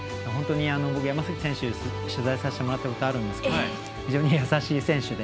僕、山崎選手を取材させてもらったことがあるんですけど非常に優しい選手で。